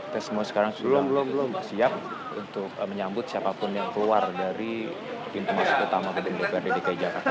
kita semua sekarang sudah siap untuk menyambut siapapun yang keluar dari pintu masuk utama gedung dprd dki jakarta